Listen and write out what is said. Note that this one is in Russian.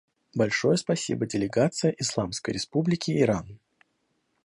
Большое спасибо делегации Исламской Республики Иран.